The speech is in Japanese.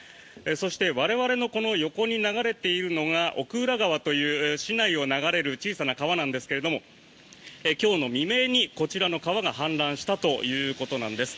そして我々の横に流れているのが奥浦川という市内を流れる小さな川なんですが今日の未明に、こちらの川が氾濫したということなんです。